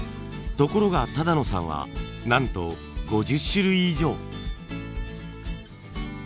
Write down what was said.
ところが但野さんはなんと５０種類以上。